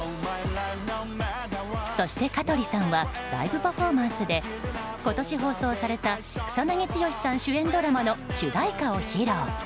そして、香取さんはライブパフォーマンスで今年放送された草なぎ剛さん主演ドラマの主題歌を披露。